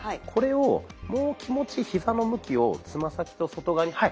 これをもう気持ちヒザの向きをつま先と外側に。